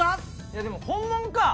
いやでも本物か。